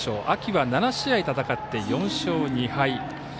秋は７試合戦って４勝２敗。